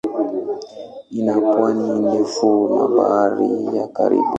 Ina pwani ndefu na Bahari ya Karibi.